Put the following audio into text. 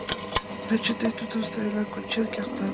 — Таче тый тудым сайынак ончен кертат.